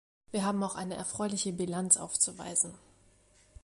Wir haben auch eine erfreuliche Bilanz aufzuweisen.